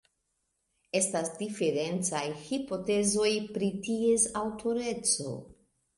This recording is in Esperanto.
Estas diferencaj hipotezoj pri ties aŭtoreco.